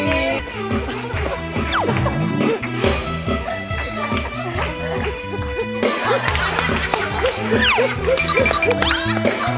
เราก็ด้วยตลาดนะเราเดินตลาดเนอะร้อนก่อนร้อน